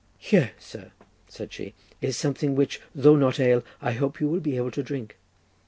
"Here, sir," said she, "is something which, though not ale, I hope you will be able to drink."